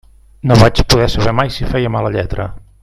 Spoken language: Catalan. No vaig poder saber mai si feia mala lletra.